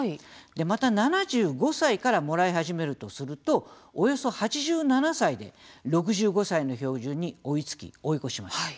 また、７５歳からもらい始めるとするとおよそ８７歳で６５歳の標準に追いつき、追い越します。